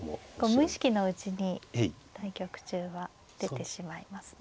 無意識のうちに対局中は出てしまいますね。